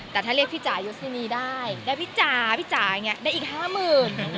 แต่ถ้าเรียกพี่จ่ายสินีได้ได้พี่จ่าได้อีก๕หมื่น